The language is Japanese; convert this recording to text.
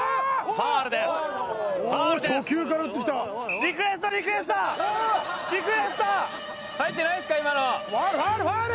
ファウルファウル！